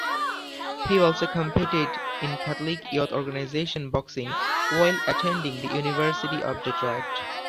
He also competed in Catholic Youth Organization boxing while attending the University of Detroit.